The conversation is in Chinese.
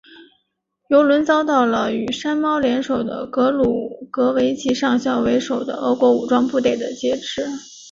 油轮遭到了与山猫联手的格鲁格维奇上校为首的俄国武装部队的劫持。